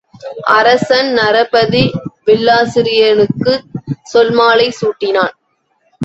அரசன் நரபதி வில்லாசிரியனுக்குச் சொல்மாலை சூட்டினான்.